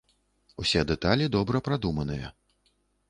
Усе дэталі добра прадуманыя.